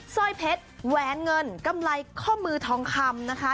สร้อยเพชรแหวนเงินกำไรข้อมือทองคำนะคะ